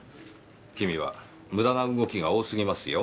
君は無駄な動きが多すぎますよ。